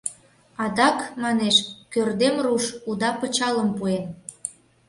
— Адак, манеш, Кӧрдем руш уда пычалым пуэн!